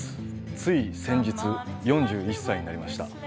つい先日４１歳になりました。